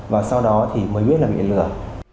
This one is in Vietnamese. và sau đó thì mới biết là bị lừa